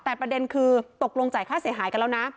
แต่ประเด็นคือตกลงจ่ายค่าเสียหายกันแล้วนะ